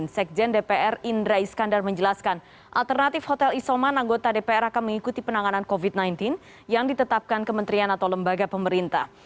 sekjen dpr indra iskandar menjelaskan alternatif hotel isoman anggota dpr akan mengikuti penanganan covid sembilan belas yang ditetapkan kementerian atau lembaga pemerintah